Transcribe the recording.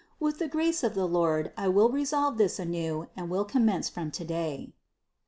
With the grace of the Lord I will resolve this anew and will commence from today." 706.